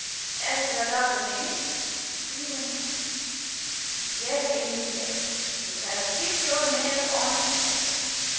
"As to that odder thing," he went on, "yes indeed yes. You have hit your nail on his head.